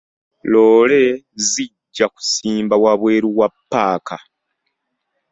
Loole zijja kusimba wabweru wa ppaaka.